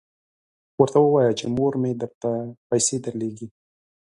ورته ووایه چې مور مې درته پیسې درلیږي.